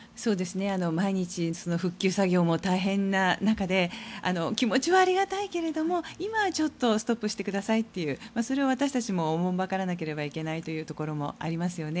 毎日復旧作業も大変な中で気持ちはありがたいけれども今はちょっとストップしてくださいというそれは私たちもおもんぱからなければいけないところもありますよね。